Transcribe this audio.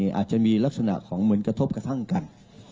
อาจจะมีลักษณะของเหมือนกระทบกระทั่งกัน